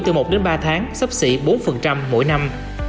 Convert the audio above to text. từ một đến ba tháng sắp xỉ bốn mỗi năm